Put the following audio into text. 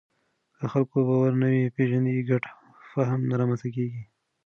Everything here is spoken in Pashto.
که د خلکو باورونه ونه پېژنې، ګډ فهم نه رامنځته کېږي.